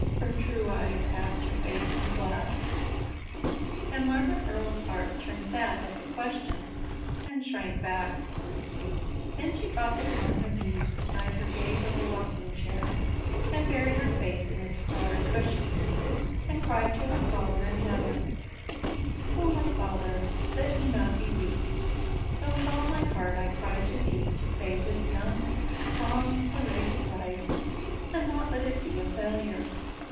her true eyes asked her face in the glass, and Margaret Earle's heart turned sad at the question and shrank back. Then she dropped upon her knees beside her gay little rocking chair and buried her face in its flowered cushions and cried to her Father in heaven: "Oh, my Father, let me not be weak, but with all my heart I cry to Thee to save this young, strong, courageous life and not let it be a failure.